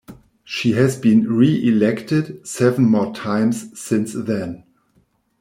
She has been reelected seven more times since then.